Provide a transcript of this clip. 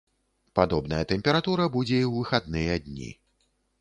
Падобная тэмпература будзе і ў выхадныя дні.